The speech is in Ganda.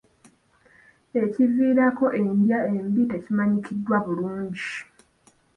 Ekiviirako endya embi tekimanyikiddwa bulungi